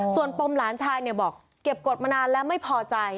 ส่วนปมหลานชายบอกเก็บกฎมานานแล้วไม่พอใจ